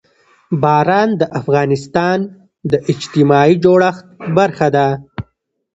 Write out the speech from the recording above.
باران د افغانستان د اجتماعي جوړښت برخه ده.